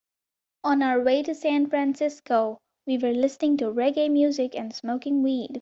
On our way to San Francisco, we were listening to reggae music and smoking weed.